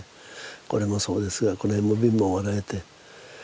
これもそうですがこの辺の瓶も割られて。